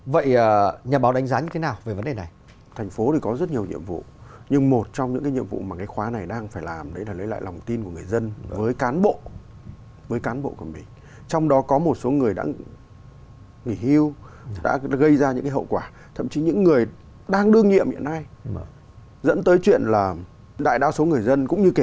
vậy nhà báo đánh giá như thế nào về vấn đề này